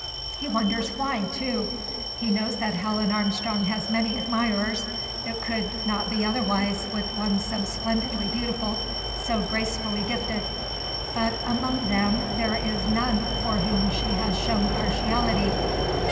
He wonders why, too. He knows that Helen Armstrong has many admirers. It could not be otherwise with one so splendidly beautiful, so gracefully gifted. But among them there is none for whom she has shown partiality.